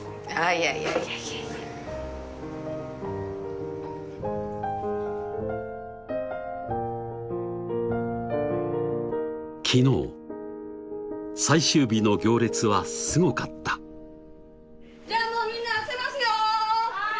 いやいやいやいや昨日最終日の行列はすごかったじゃあもうみんな開けますよはい！